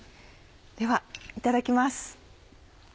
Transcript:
ではいただきます。